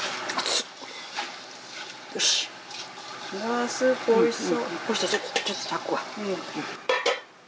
あスープおいしそう。